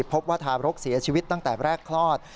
พบว่าทารกเสียชีวิตตั้งแต่แรกคลอด